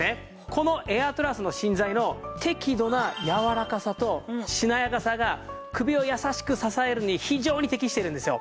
このエアトラスの芯材の適度な柔らかさとしなやかさが首を優しく支えるのに非常に適してるんですよ。